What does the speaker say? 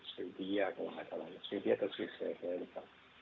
serbia kalau nggak salah